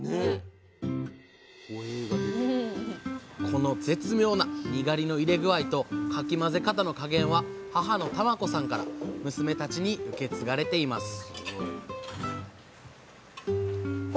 この絶妙なにがりの入れ具合とかき混ぜ方の加減は母の玉子さんから娘たちに受け継がれています